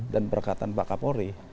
dan perkataan pak kapolri